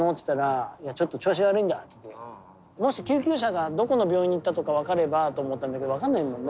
もし救急車がどこの病院に行ったとか分かればと思ったんだけど分かんないもんね。